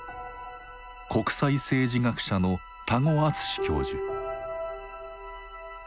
国際政治学者の多湖淳教授。